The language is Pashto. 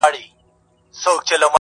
د خپل استاد ارواښاد محمد صدیق روهي -